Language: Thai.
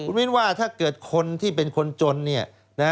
มินว่าถ้าเกิดคนที่เป็นคนจนเนี่ยนะ